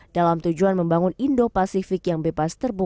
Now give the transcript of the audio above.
dalam tujuan membangun indo pasifik yang bebas terbuka